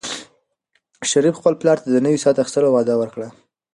شریف خپل پلار ته د نوي ساعت اخیستلو وعده ورکړه.